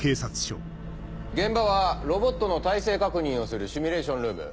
現場はロボットの耐性確認をするシミュレーションルーム。